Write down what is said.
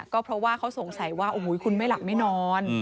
ก็เพราะว่าเขาสงสัยว่าคุณไม่หลับไม่นอน